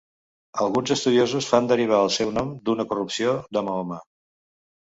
Alguns estudiosos fan derivar el seu nom d'una corrupció de Mahoma.